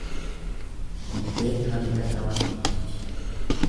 Dibbeen hanga dhawan iyyiti.